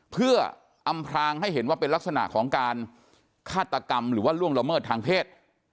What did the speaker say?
เพื่ออำพลางให้เห็นว่าเป็นลักษณะของการฆาตกรรมหรือว่าล่วงละเมิดทางเพศ